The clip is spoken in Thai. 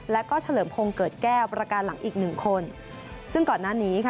แล้วก็เฉลิมพงศ์เกิดแก้วประการหลังอีกหนึ่งคนซึ่งก่อนหน้านี้ค่ะ